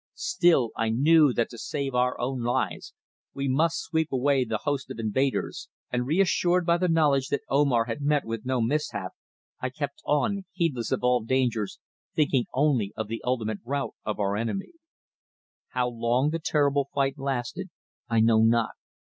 Still I knew that to save our own lives we must sweep away the host of invaders, and, reassured by the knowledge that Omar had met with no mishap, I kept on, heedless of all dangers, thinking only of the ultimate rout of our enemy. How long the terrible fight lasted I know not.